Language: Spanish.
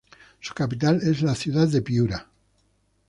Su capital es la ciudad de Piura.